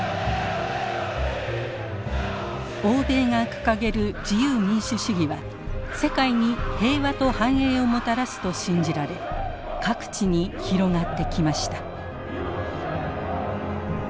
欧米が掲げる自由民主主義は世界に平和と繁栄をもたらすと信じられ各地に広がってきました。